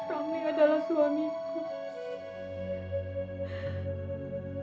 tapi kita mas ramli adalah suamiku